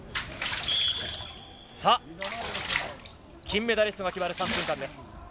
金メダリストが決まる３分間です。